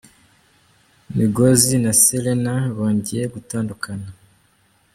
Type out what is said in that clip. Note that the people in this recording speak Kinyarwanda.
Migozi na Selena bongeye gutandukana